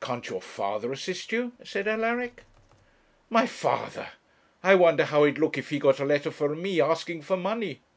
'Can't your father assist you?' said Alaric. 'My father! I wonder how he'd look if he got a letter from me asking for money.